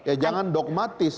ya jangan dogmatis